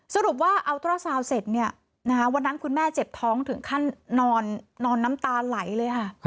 สรุปว่าเอาตราซาวเสร็จวันนั้นคุณแม่เจ็บท้องถึงขั้นนอนน้ำตาไหลเลยค่ะ